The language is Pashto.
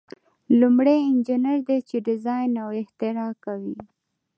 لومړی انجینر دی چې ډیزاین او اختراع کوي.